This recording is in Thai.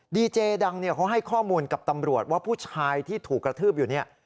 ดีเจดังเนี่ยเขาให้ข้อมูลกับตำรวจว่าผู้ชายที่ถูกกระทืบอยู่เนี่ย